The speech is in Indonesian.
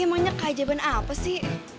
tapi emangnya keajaiban apa sih